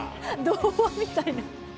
童話みたいな。